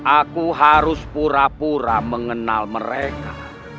aku harus pura pura mengenal mereka